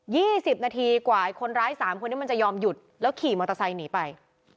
สิบนาทีกว่าคนร้ายสามคนนี้มันจะยอมหยุดแล้วขี่มอเตอร์ไซค์หนีไป